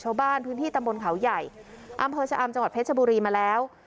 ชาวบ้านพื้นที่ตำบลเขาใหญ่อำเภอชะอำจังหวัดเพชรบุรีมาแล้ว